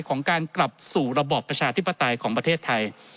ของการกลับสู่ระบอบประชาธิปไตยของประเทศไทย